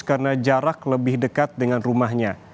karena jarak lebih dekat dengan rumahnya